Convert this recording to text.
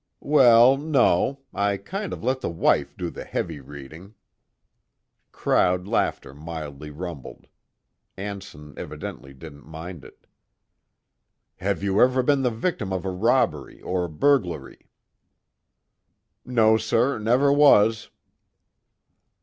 "Well, no, I kind of let the wife do the heavy reading." Crowd laughter mildly rumbled; Anson evidently didn't mind it. "Have you ever been the victim of a robbery or burglary?" "No, sir, never was."